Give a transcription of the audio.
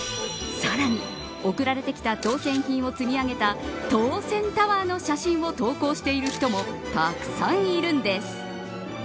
さらに、送られてきた当選品を積み上げた当選タワーの写真を投稿している人もたくさんいるんです。